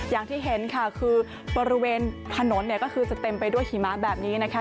อย่างที่เห็นค่ะก็บริเวณถนนจะเต็มไปด้วยหิมะแบบนี้นะคะ